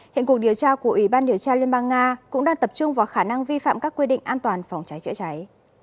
hiện cuộc điều tra của ủy ban điều tra liên bang nga cũng đang tập trung vào khả năng vi phạm các quy định an toàn phòng cháy chữa cháy